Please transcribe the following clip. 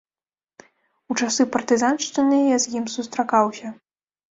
У часы партызаншчыны я з ім сустракаўся.